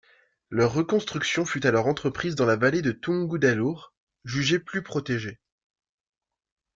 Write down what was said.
Leur reconstruction fut alors entreprise dans la vallée de Tungudalur, jugée plus protégée.